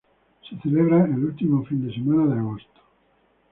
Se celebran el último fin de semana de agosto.